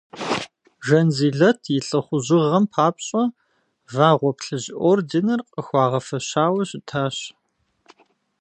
Жанзилэт и лӏыхъужьыгъэм папщӏэ, Вагъуэ Плъыжь орденыр къыхуагъэфэщауэ щытащ.